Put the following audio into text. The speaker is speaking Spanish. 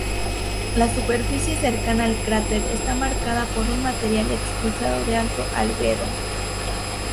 La superficie cercana al cráter está marcada por un material expulsado de alto albedo.